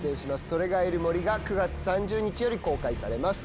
『“それ”がいる森』が９月３０日より公開されます。